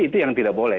itu yang tidak boleh